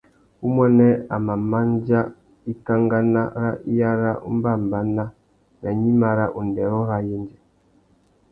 Umuênê a mà mándjá ikankana râ iyara umbámbànà nà gnïmá râ undêrô râ yêndzê.